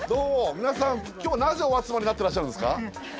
皆さん今日はなぜお集まりになってらっしゃるんですか？